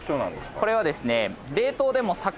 これはですね。